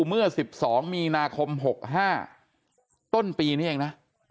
เมื่อ๑๒มีนาคม๖๕ต้นปีนี้เองนะ